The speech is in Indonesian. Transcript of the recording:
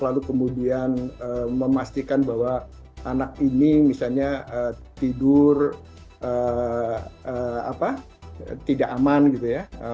lalu kemudian memastikan bahwa anak ini misalnya tidur tidak aman gitu ya